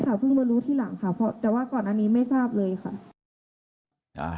เพิ่งมารู้ทีหลังค่ะแต่ว่าก่อนอันนี้ไม่ทราบเลยค่ะ